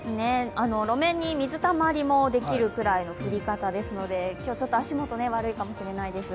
路面に水たまりができるくらいの降り方ですので、今日ちょっと足元、悪いかもしれないです。